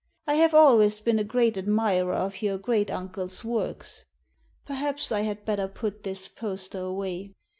I have always been a great admirer of your great uncle's works. Perhaps I had better put this poster away.